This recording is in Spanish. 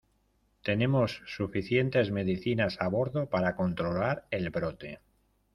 tenemos suficientes medicinas a bordo para controlar el brote.